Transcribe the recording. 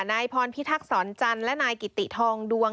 นายพรพิทักษรจันทร์และนายกิติทองดวง